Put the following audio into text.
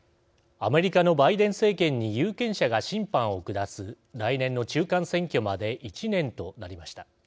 アメリカのバイデン政権に有権者が審判を下す来年の中間選挙まで１年となりました。